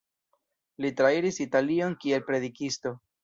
Li trairis Italion kiel predikisto.